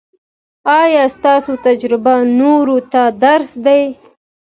ایا ستاسو تجربه نورو ته درس دی؟